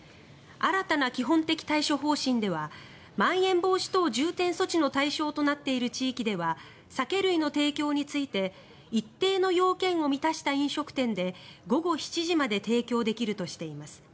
新たな基本的対処方針ではまん延防止等重点措置の対象となっている地域では酒類の提供について一定の要件を満たした飲食店で午後７時まで提供できるとしています。